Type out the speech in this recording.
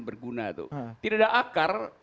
berguna itu tidak ada akar